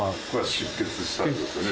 出血した跡ですね。